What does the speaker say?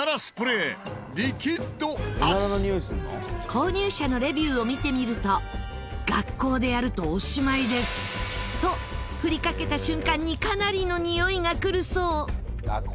購入者のレビューを見てみると「学校でやるとおしまいです」と振りかけた瞬間にかなりのにおいがくるそう。